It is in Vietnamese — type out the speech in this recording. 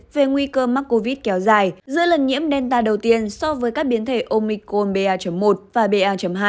về nguy cơ mắc covid kéo dài giữa lần nhiễm delta đầu tiên so với các biến thể omicol ba một và ba hai